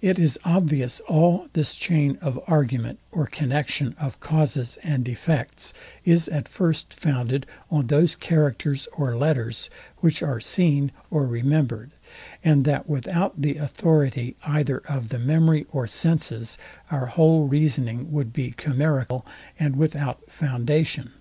It is obvious all this chain of argument or connexion of causes and effects, is at first founded on those characters or letters, which are seen or remembered, and that without the authority either of the memory or senses our whole reasoning would be chimerical and without foundation.